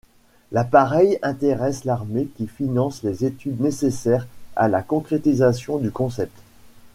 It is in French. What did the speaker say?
L'appareil intéresse l'armée qui finance les études nécessaires à la concrétisation du concept.